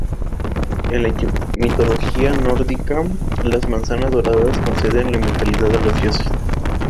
En la mitología nórdica, las manzanas doradas conceden la inmortalidad a los dioses.